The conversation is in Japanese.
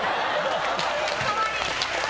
かわいい。